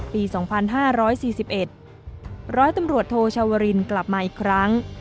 ปี๒๕๔๑ร้อยตำรวจโทชาวรินกลับมาอีกครั้ง